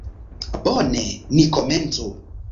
Bone, ni komencu.